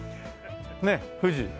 ねえ富士。